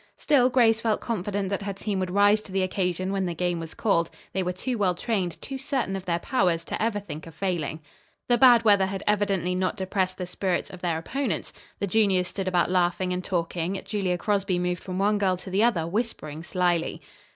Still Grace felt confident that her team would rise to the occasion when the game was called. They were two well trained, too certain of their powers to ever think of failing. The bad weather had evidently not depressed the spirits of their opponents. The juniors stood about laughing and talking. Julia Crosby moved from one girl to the other whispering slyly.